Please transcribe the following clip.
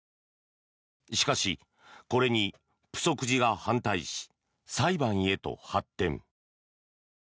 しかし、これに浮石寺が反対し裁判へと発展。